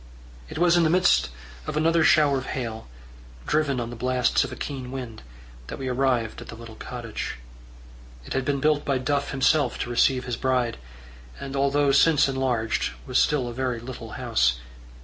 It was in the midst of another shower of hail, driven on the blasts of a keen wind, that we arrived at the little cottage. It had been built by Duff himself to receive his bride, and although since enlarged, was still a very little house.